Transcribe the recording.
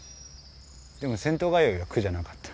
でも銭湯通いは苦じゃなかった。